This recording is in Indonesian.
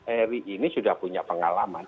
eri ini sudah punya pengalaman